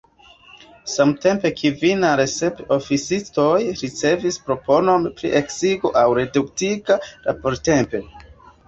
Samtempe kvin el la sep oficistoj ricevis proponon pri eksigo aŭ reduktita labortempo.